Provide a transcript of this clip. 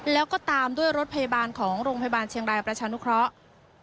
แล้วก็ตามด้วยรถพยาบาลของโรงพยาบาลเชียงรายประชานุเคราะห์